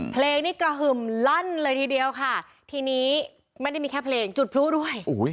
เพลงนี้กระหึ่มลั่นเลยทีเดียวค่ะทีนี้ไม่ได้มีแค่เพลงจุดพลุด้วย